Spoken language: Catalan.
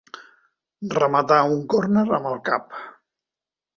Rematar un córner amb el cap.